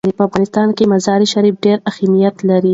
په افغانستان کې مزارشریف ډېر اهمیت لري.